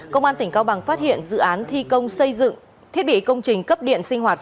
công an tỉnh cao bằng phát hiện dự án thi công xây dựng thiết bị công trình cấp điện sinh hoạt